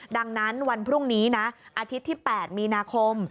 ดังนั้นวันพรุ่งนี้นะอาทิตย์ที่๘มีนาคม